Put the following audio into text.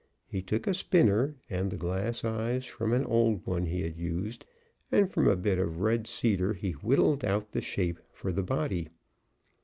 He took a spinner and the glass eyes from an old one he had used, and from a bit of red cedar he whittled out the shape for the body.